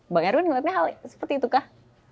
pak erwin ngelihatnya hal seperti itu kah